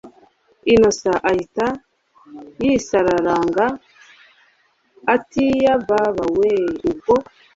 Innocent ahita yisararanga atiyebaba weeee ubwo